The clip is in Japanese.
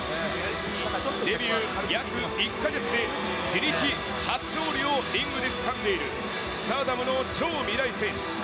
デビュー約１か月で、自力初勝利をリングでつかんでいる、スターダムの超未来選手。